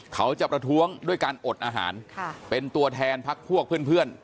เขาจะประท้วงด้วยการอดอาหารเป็นตัวแทนพักพวกเพื่อน